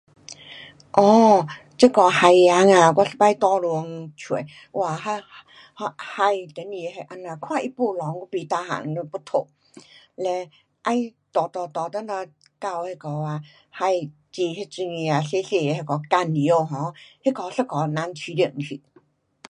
哦，这个海洋啊我一次坐船出。哇，那，那海上面的那这样，看它没浪,我不 tahan 就要吐，了再搭搭搭等下到那个啊海，进那种的啊小小个那个港进去 um 那个一下人舒服去。